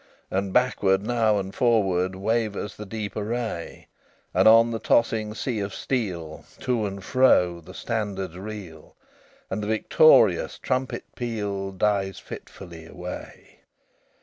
And backward now and forward Wavers the deep array; And on the tossing sea of steel To and frow the standards reel; And the victorious trumpet peal Dies fitfully away.